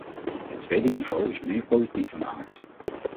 Het tweede niveau is meer politiek van aard.